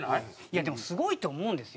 いやでもすごいと思うんですよ。